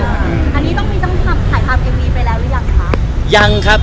อันนี้ต้องมีต้องถ่ายภาพเกมวีไปแล้วหรือยังครับ